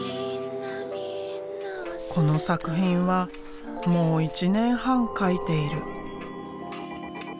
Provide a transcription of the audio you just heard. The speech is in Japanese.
この作品はもう１年半描いている。